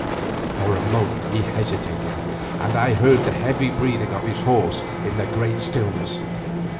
For a moment he hesitated, and I heard the heavy breathing of his horse in the great stillness.